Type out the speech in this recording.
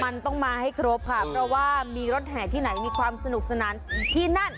มันต้องมาให้ครบค่ะเพราะว่ามีรถแห่ที่ไหนมีความสนุกสนานที่นั่น